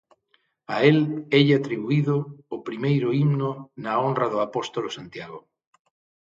A el élle atribuído o primeiro himno na honra do apóstolo Santiago.